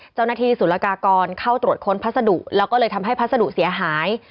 เจ้านาธิศูลากากรเข้าตรวจค้นพัสดุแล้วก็เลยทำให้พัสดุเสียหาย